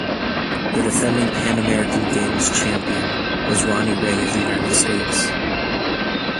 The defending Pan American Games champion was Ronnie Ray of the United States.